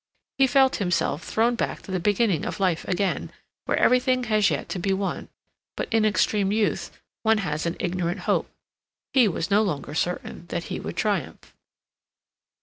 He felt himself thrown back to the beginning of life again, where everything has yet to be won; but in extreme youth one has an ignorant hope. He was no longer certain that he would triumph.